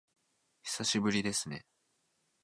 久しぶりですね